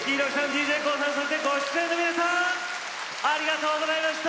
ＤＪＫＯＯさんそして、ご出演の皆さんありがとうございました。